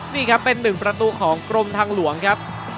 นี่ครับเป็นหนึ่งประตูของกรมทางหลวงครับ